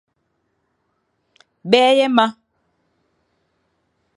Bèye ma.